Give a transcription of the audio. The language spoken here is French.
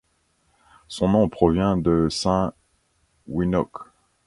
Son nom provient de Saint Winoc.